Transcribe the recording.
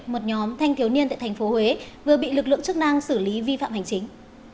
một nhóm thanh thiếu niên tại thành phố huế vừa bị lực lượng chức năng xử lý vi phạm hành chính